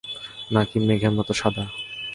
নাকি মেঘের মতো সাদা?